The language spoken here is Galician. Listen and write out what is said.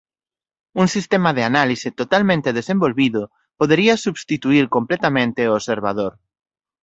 Un sistema de análise totalmente desenvolvido podería substituír completamente ao observador.